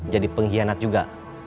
jadi pengkhianat juga